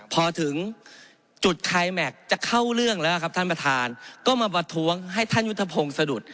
พอถึงจุดคลายแม็กซ์จะเข้าเรื่องแล้วครับท่านประธานก็มาประท้วงให้ท่านยุทธพงศ์สะดุด